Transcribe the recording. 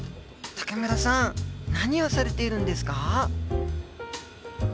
武村さん何をされているんですか？